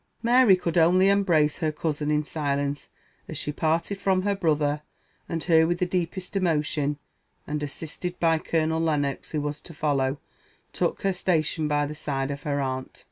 Mary could only embrace her cousin in silence, as she parted from her brother and her with the deepest emotion, and, assisted by Colonel Lennox (who was to follow), took her station by the side of her aunt.